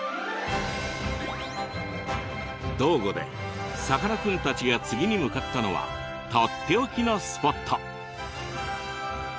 島後でさかなクンたちが次に向かったのはとっておきのスポット。